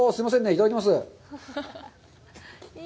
いただきます。